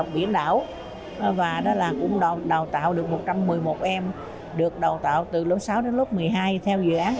học biển đảo và đó là cũng đào tạo được một trăm một mươi một em được đào tạo từ lúc sáu đến lúc một mươi hai theo dự án